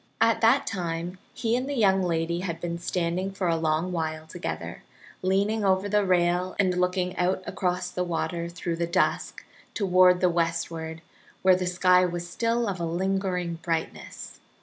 At that time he and the young lady had been standing for a long while together, leaning over the rail and looking out across the water through the dusk toward the westward, where the sky was still of a lingering brightness.